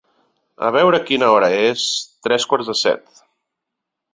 A veure quina hora és... tres quarts de set.